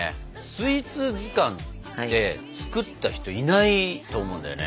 スイーツ図鑑って作った人いないと思うんだよね。